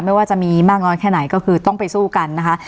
ว่าจะมีมากน้อยแค่ไหนก็คือต้องไปสู้กันนะคะ